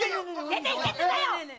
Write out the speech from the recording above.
出ていけってんだよ‼